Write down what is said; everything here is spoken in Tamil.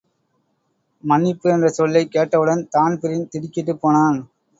மன்னிப்பு என்ற சொல்லைக் கேட்டவுடன், தான்பிரீன் திடுக்கிட்டுப் போனான்.